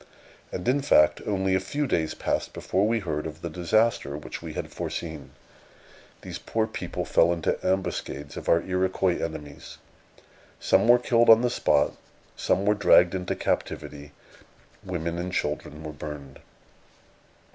And, in fact, only a few days passed before we heard of the disaster which we had foreseen. These poor people fell into ambuscades of our Iroquois enemies. Some were killed on the spot; some were dragged into captivity; women and children were burned.